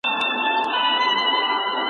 ایا ته کولای سې زما د څيړني لارښود سي؟